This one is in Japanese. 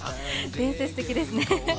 伝説的ですね。